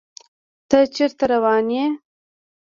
تۀ چېرته روان يې ؟